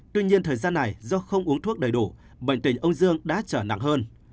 tuy nhiên thời gian này do không uống thuốc đầy đủ bệnh tình ông dương đã trở nặng hơn